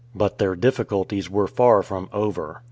But their difficulties were far from over.